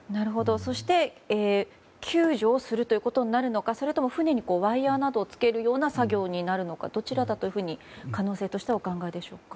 そして救助をするということになるのかそれとも船にワイヤなどをつけるような作業になるのかどちらだと可能性としてはお考えでしょうか。